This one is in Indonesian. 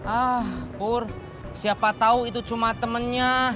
ah pur siapa tahu itu cuma temennya